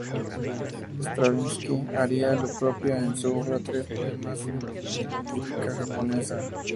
Stravinski haría lo propio en su obra "Tres poemas de la lírica japonesa".